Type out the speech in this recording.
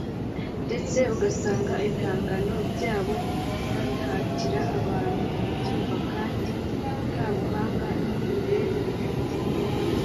ndetse ugasanga ibihangano byabo babihatira abantu kubyumva kandi ntabuhangan’umwimerere bifite